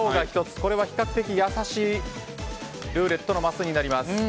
これは比較的優しいルーレットのマスになります。